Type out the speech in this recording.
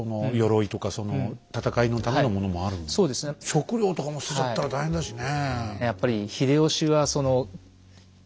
食料とかも捨てちゃったら大変だしね。